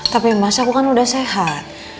tapi mas aku kan udah sehat